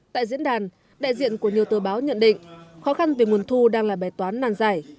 tại diễn đàn đại diện của nhiều tờ báo nhận định khó khăn về nguồn thu đang là bài toán nan giải